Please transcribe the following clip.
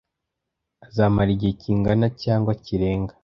azamara igihe kingana cyangwa kirenga